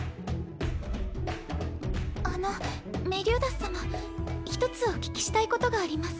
あのメリオダス様一つお聞きしたいことがあります。